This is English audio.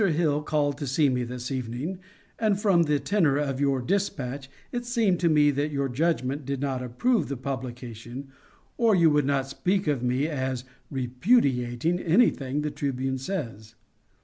Hill called to see me this evening, and from the tenor of your dispatch it seemed to me that your judgment did not approve the publication, or you would not speak of me as "repudiating" anything the Tribune says.